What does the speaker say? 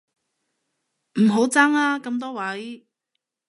唔好爭啊咁多位